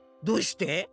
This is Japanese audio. どうして？